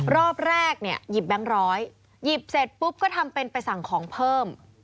รอบแรกเนี่ยหยิบแบงค์ร้อยหยิบเสร็จปุ๊บก็ทำเป็นไปสั่งของเพิ่ม